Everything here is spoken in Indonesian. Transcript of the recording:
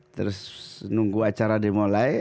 terus nunggu acara dimulai